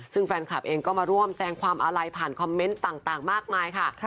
ซึ่งแฟนคลับเองก็มาร่วมแสงความอาลัยผ่านคอมเมนต์ต่างมากมายค่ะ